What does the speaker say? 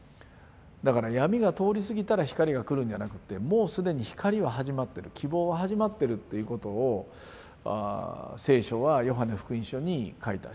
だから闇が通り過ぎたら光が来るんじゃなくってもう既に光は始まってる希望は始まってるっていうことを聖書は「ヨハネ福音書」に書いた。